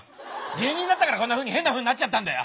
芸人になったからこんなふうに変なふうになっちゃったんだよ。